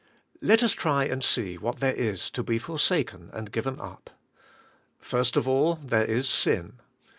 Let us try and see what there is to be forsaken and given up. First of all, there is sin.